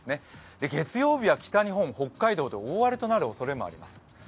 月曜日は北日本、北海道で大荒れとなるおそれもあります。